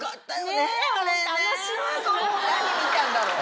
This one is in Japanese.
何見たんだろう？